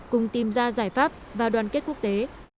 cùng tìm ra giải pháp và đoàn kết quốc tế